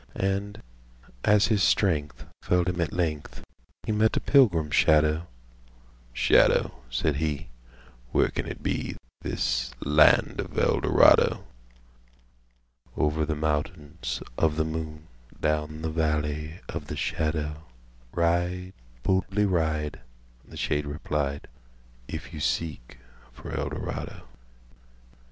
And, as his strengthFailed him at length, He met a pilgrim shadow "Shadow," said he,"Where can it be This land of Eldorado?""Over the mountainsOf the Moon, Down the Valley of the Shadow, Ride, boldly ride,"The shade replied "If you seek for Eldorado!"